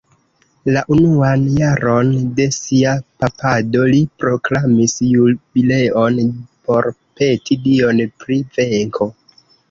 La unuan jaron de sia papado, li proklamis jubileon por peti Dion pri venko.